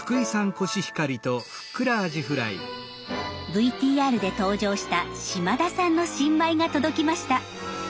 ＶＴＲで登場した嶋田さんの新米が届きました。